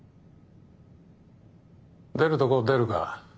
出るとこ出るか。